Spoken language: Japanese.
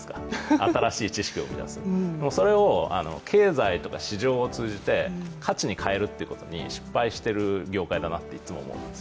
新しい知識を生み出すそれを経済とか市場を通じて価値に変えるということに失敗している業界だなといつも思います。